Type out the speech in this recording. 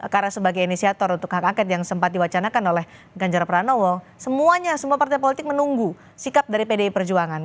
karena sebagai inisiator untuk hak angket yang sempat diwacanakan oleh ganjarapra nawal semuanya semua partai politik menunggu sikap dari pdi perjuangan